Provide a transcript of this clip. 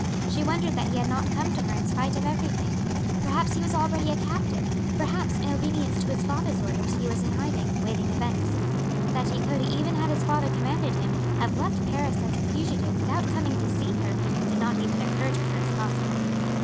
She wondered that he had not come to her in spite of everything. Perhaps he was already a captive; perhaps, in obedience to his father's orders, he was in hiding, waiting events. That he could, even had his father commanded him, have left Paris as a fugitive without coming to see her, did not even occur to her as possible.